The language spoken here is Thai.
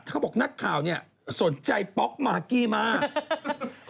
เขาบอกนักข่าวเนี่ยสนใจป๊อกมากกี้มาก